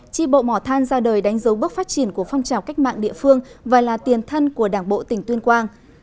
tri bộ mò than ra đời đánh dấu bước phát triển của phong trào cách mạng địa phương và là tiền thân của đảng bộ tỉnh tuyên quang